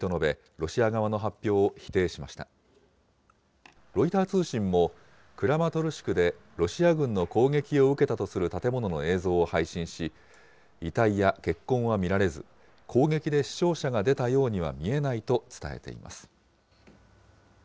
ロイター通信も、クラマトルシクでロシア軍の攻撃を受けたとする建物の映像を配信し、遺体や血痕は見られず、攻撃で死傷者が出たようには見えないと伝えています。